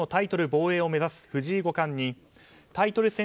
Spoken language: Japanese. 防衛を目指す藤井五冠にタイトル戦